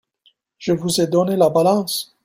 Je vous ai donné la balance ?